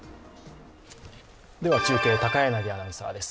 では中継、高柳アナウンサーです